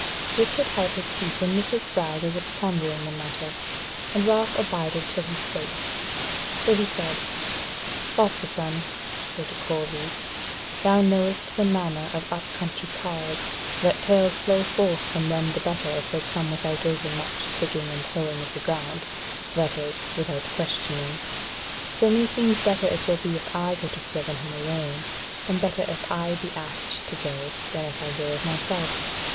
Richard held his peace and knit his brows as if pondering the matter, and Ralph abided till he spake: so he said: "Foster son, so to call thee, thou knowest the manner of up country carles, that tales flow forth from them the better if they come without over much digging and hoeing of the ground; that is, without questioning; so meseems better it will be if I go to Swevenham alone, and better if I be asked to go, than if I go of myself.